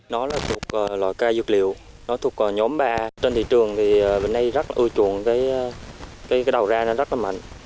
nó là thuộc loại cây dược liệu nó thuộc nhóm ba a trên thị trường thì bên đây rất là ưu chuộng cái đầu ra nó rất là mạnh